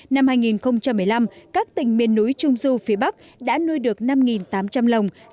năm hai nghìn một mươi năm các tỉnh miền núi trung du phía bắc đã nuôi được năm tám trăm linh lồng